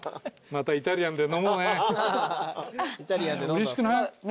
うれしくない？